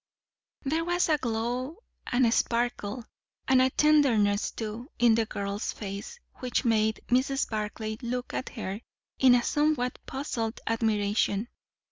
There was a glow and a sparkle, and a tenderness too, in the girl's face, which made Mrs. Barclay look at her in a somewhat puzzled admiration.